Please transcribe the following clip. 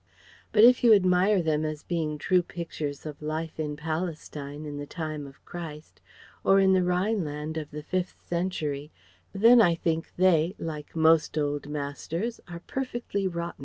But if you admire them as being true pictures of life in Palestine in the time of Christ, or in the Rhineland of the fifth century, then I think they like most Old Masters are perfectly rotten.